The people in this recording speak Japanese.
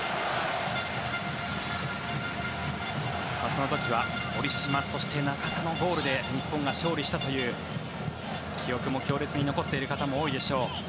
その時は森島そして中田のゴールで日本が勝利したという記憶も強烈に残っている方も多いでしょう。